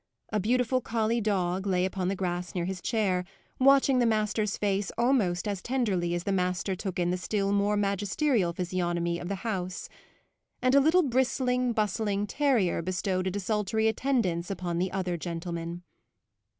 A beautiful collie dog lay upon the grass near his chair, watching the master's face almost as tenderly as the master took in the still more magisterial physiognomy of the house; and a little bristling, bustling terrier bestowed a desultory attendance upon the other gentlemen.